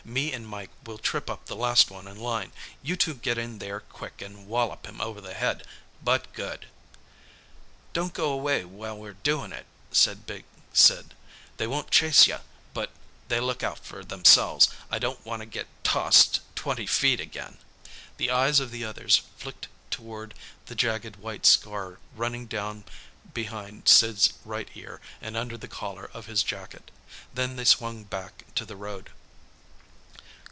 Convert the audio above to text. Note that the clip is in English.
"Me an' Mike will trip up the last one in line. You two get in there quick an' wallop him over the head but good!" "Don't go away while we're doin' it," said big Sid. "They won't chase ya, but they look out fer themselves. I don't wanna get tossed twenty feet again!" The eyes of the others flicked toward the jagged white scar running down behind Sid's right ear and under the collar of his jacket. Then they swung back to the road.